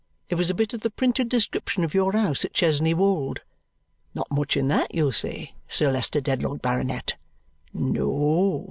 It was a bit of the printed description of your house at Chesney Wold. Not much in that, you'll say, Sir Leicester Dedlock, Baronet. No.